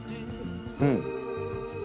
うん。